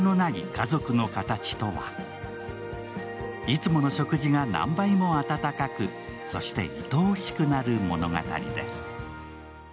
いつもの食事が何倍も温かくそして、愛おしくなる物語です。